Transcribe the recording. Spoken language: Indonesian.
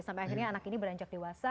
sampai akhirnya anak ini beranjak dewasa